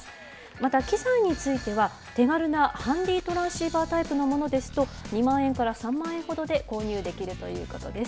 また機材については、手軽なハンディ・トランシーバタイプのものですと、２万円から３万円ほどで購入できるということです。